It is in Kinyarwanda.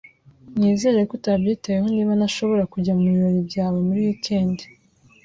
Nizere ko utabyitayeho niba ntashobora kujya mubirori byawe muri wikendi.